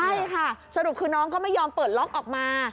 ใช่ค่ะสรุปคือน้องก็ไม่ยอมเปิดล็อกออกมา